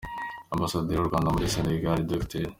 Ambasaderi w’u Rwanda muri Senegal Dr.